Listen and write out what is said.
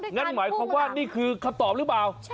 งั้นหมายความว่านี่คือคำตอบหรือเปล่า